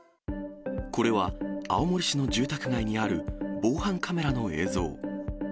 これは、青森市の住宅街にある防犯カメラの映像。